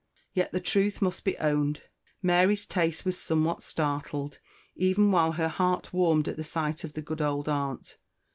Yet the truth must be owned, Mary's taste was somewhat startled, even while her heart warmed at the sight of the good old aunt.